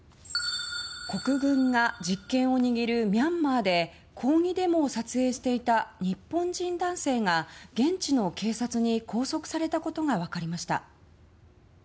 国軍が実権を握るミャンマーで抗議デモを撮影していた日本人男性が現地の警察に拘束されたことが分かりました。